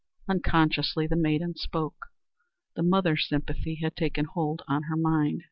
unconsciously the maiden spoke. The mother sympathy had taken hold on her mind.